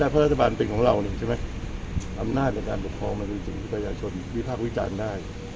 ไม่แก่พระราชบันเป็นของเราอำนาจและการปกครองมันเป็นสิ่งที่ประชาชนอีกวิทยาควิจารณ์ได้